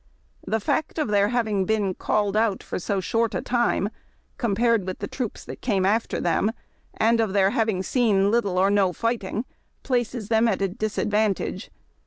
The fact of their having been called out for so short a time as compared with the troops that came after them, and of their having seen little or no fighting, places them at a disadvantage.